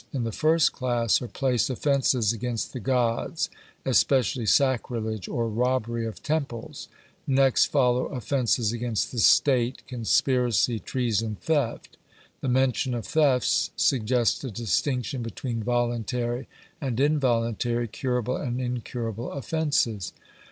In the first class are placed offences against the Gods, especially sacrilege or robbery of temples: next follow offences against the state, conspiracy, treason, theft. The mention of thefts suggests a distinction between voluntary and involuntary, curable and incurable offences.